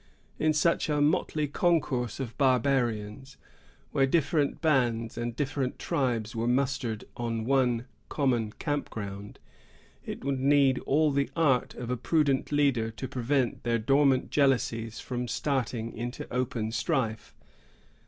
In such a motley concourse of barbarians, where different bands and different tribes were mustered on one common camp ground, it would need all the art of a prudent leader to prevent their dormant jealousies from starting into open strife.